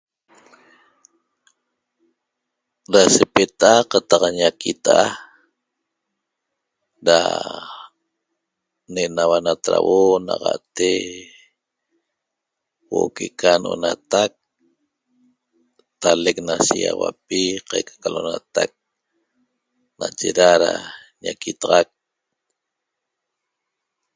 Ra sepeta'a qataq ñaquita'a ra ne'enaua natrauo naxa'te huo'o que'eca no'natac talec na shigaxauapi qaica ca lo'onatac nache ra ra ñaquitaxac